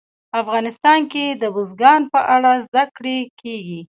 افغانستان کې د بزګان په اړه زده کړه کېږي.